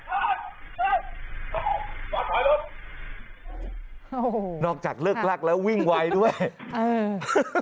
โอ้โหนอกจากเลิกลักแล้ววิ่งไวด้วยเออ